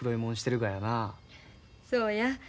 そうや。